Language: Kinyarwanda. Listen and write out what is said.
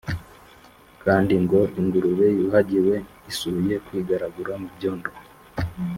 kandi ngo, Ingurube yuhagiwe isubiye kwigaragura mu byondo